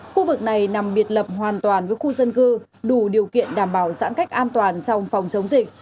khu vực này nằm biệt lập hoàn toàn với khu dân cư đủ điều kiện đảm bảo giãn cách an toàn trong phòng chống dịch